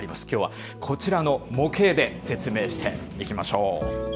きょうはこちらの模型で説明していきましょう。